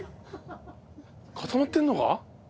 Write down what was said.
固まってるのか？